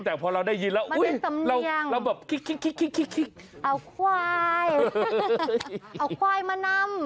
แต่พอเราได้ยินแล้วเราแบบคิกเอาควายเอาควายมานำ